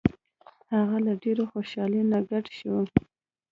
هغه له ډیرې خوشحالۍ نه ګډ شو.